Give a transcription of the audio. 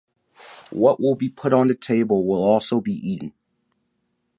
What will be put on the table will also be eaten.